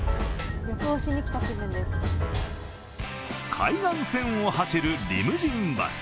海岸線を走るリムジンバス。